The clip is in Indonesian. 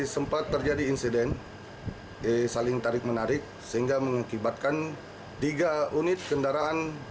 sempat terjadi insiden saling tarik menarik sehingga mengakibatkan tiga unit kendaraan